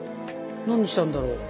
何したんだろう？